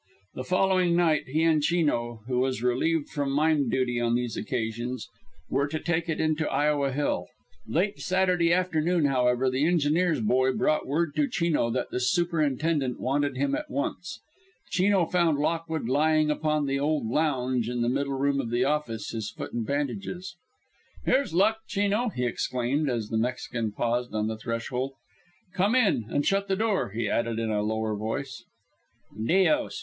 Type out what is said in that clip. The following night he and Chino, who was relieved from mine duty on these occasions, were to take it in to Iowa Hill. Late Saturday afternoon, however, the engineer's boy brought word to Chino that the superintendent wanted him at once. Chino found Lockwood lying upon the old lounge in the middle room of the office, his foot in bandages. "Here's luck, Chino," he exclaimed, as the Mexican paused on the threshold. "Come in and shut the door," he added in a lower voice. "_Dios!